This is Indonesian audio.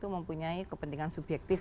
mempunyai kepentingan subyektif